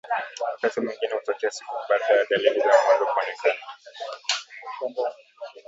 wakati mwingine hutokea siku baada ya dalili za mwanzo kuonekana